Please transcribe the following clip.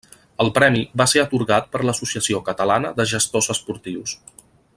El premi va ser atorgat per l'associació catalana de Gestors Esportius.